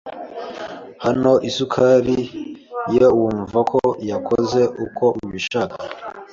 n’aho isukari yo wumva ko yakoze uko ubishaka